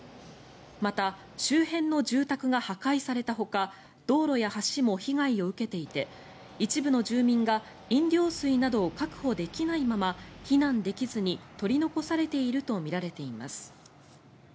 また、周辺の住宅が破壊されたほか道路や橋も被害を受けていて一部の住民が飲料水などを確保できないまま避難できずに取り残されているとみられています。